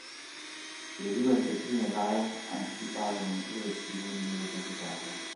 Le due anteprime live anticipano un tour estivo in giro per l’Italia.